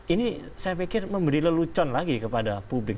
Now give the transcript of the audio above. ini saya pikir memberi lelucon lagi kepada publik